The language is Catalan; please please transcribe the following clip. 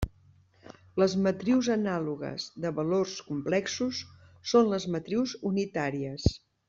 Les matrius anàlogues de valors complexos són les matrius unitàries.